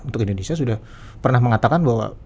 untuk indonesia sudah pernah mengatakan bahwa